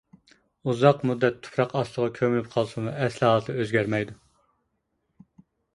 ئۇزاق مۇددەت تۇپراق ئاستىغا كۆمۈلۈپ قالسىمۇ ئەسلىي ھالىتى ئۆزگەرمەيدۇ.